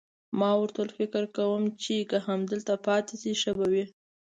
ما ورته وویل: فکر کوم چې که همدلته پاتې شئ، ښه به وي.